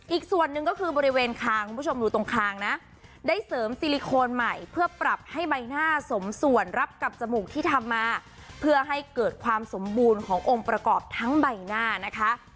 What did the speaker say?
อีกส่วนหนึ่งก็คือบริเวณคางคุณผู้ชมดูตรงคางนะได้เสริมซิลิโคนใหม่เพื่อปรับให้ใบหน้าสมส่วนรับกับจมูกที่ทำมาเพื่อให้เกิดความสมบูรณ์ขององค์ประกอบทั้งใบหน้านะคะ